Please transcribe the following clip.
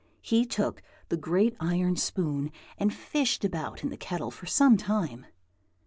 He took the great iron spoon and fished about in the kettle for some time.